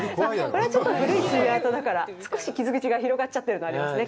これはちょっと古い爪痕だから少し傷口が広がっちゃってるのはありますね。